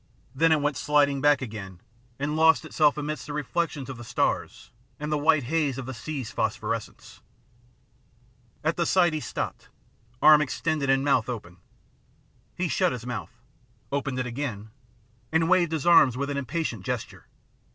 Then it went sliding back again and lost itself amidst the reflections of the stars and the white haze of the sea's phosphorescence. At the sight he stopped, arm extended and mouth open. He shut his mouth, opened it again, and waved his arms with an impatient gesture.